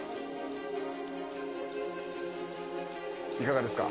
いかがですか？